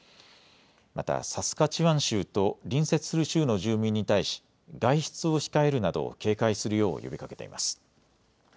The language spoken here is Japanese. またサスカチワン州と隣接する州の住民に対し外出を控えるなど警戒するよう呼びかけています。